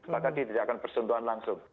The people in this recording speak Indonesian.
maka dia tidak akan bersentuhan langsung